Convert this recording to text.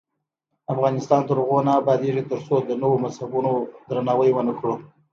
افغانستان تر هغو نه ابادیږي، ترڅو د نورو مذهبونو درناوی ونکړو.